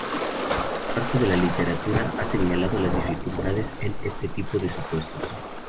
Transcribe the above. Parte de la literatura ha señalado las dificultades en este tipo de supuestos.